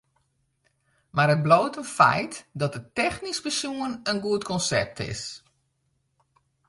Mar it bliuwt in feit dat it technysk besjoen in goed konsept is.